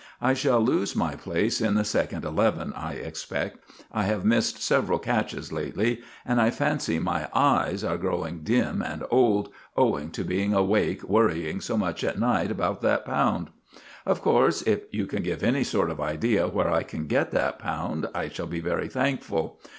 I shall lose my place in the second eleven, I expect. I have missed several catches lately, and I fancy my eyes are growing dim and old, owing to being awake worrying so much at night about that pound. "Of course if you can give any sort of idea where I can get that pound I shall be very thankful.